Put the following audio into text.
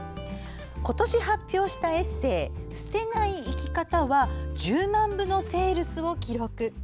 今年発表したエッセー「捨てない生きかた」は１０万部のセールスを記録。